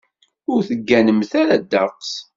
Ur tegganemt ara ddeqs.